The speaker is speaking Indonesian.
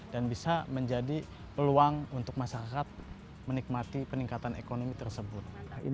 dan bisa menjadi peluang untuk masyarakat menikmati peningkatan ekonomi tersebut